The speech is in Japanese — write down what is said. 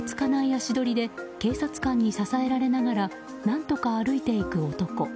足取りで警察官に支えられながら何とか歩いていく男。